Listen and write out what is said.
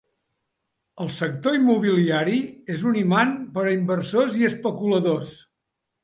El sector immobiliari és un imant per a inversors i especuladors.